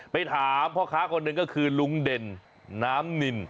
ไปถามพ่อค้าคนหนึ่งก็คือลุงเด่นน้ำนิน